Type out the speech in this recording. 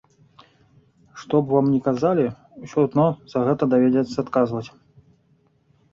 Што б вам ні казалі, усё адно за гэта давядзецца адказваць.